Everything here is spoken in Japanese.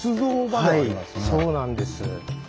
はいそうなんです。